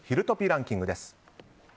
ランキングです。